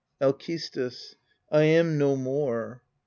Alcestis. I am no more.